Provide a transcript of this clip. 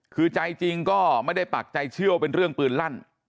คือใจจริงก็ไม่ได้ปักใจเชื่อว่าเป็นเรื่องปืนลั่น